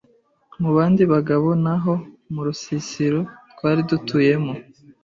mu bandi bagabo n’aho mu rusisiro twari dutuyemo,